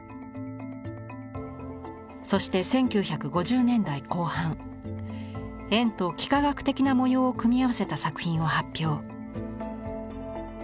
そして１９５０年代後半円と幾何学的な模様を組み合わせた作品を発表。